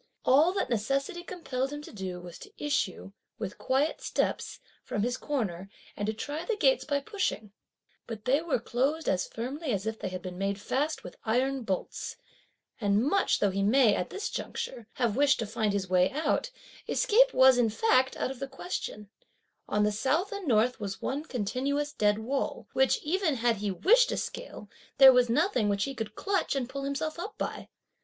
All that necessity compelled him to do was to issue, with quiet steps, from his corner, and to try the gates by pushing; but they were closed as firmly as if they had been made fast with iron bolts; and much though he may, at this juncture, have wished to find his way out, escape was, in fact, out of the question; on the south and north was one continuous dead wall, which, even had he wished to scale, there was nothing which he could clutch and pull himself up by.